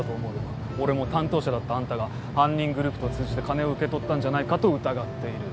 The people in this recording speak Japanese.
俺も担当者だったあんたが犯人グループと通じて金を受け取ったんじゃないかと疑っている。